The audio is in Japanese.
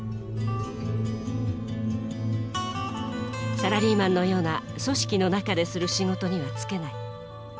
サラリーマンのような組織の中でする仕事には就けない。